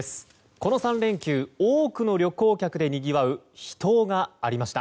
この３連休多くの旅行客でにぎわう秘湯がありました。